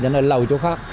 thì nó lầu chỗ khác